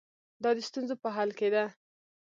دا د ستونزو په حل کې ده.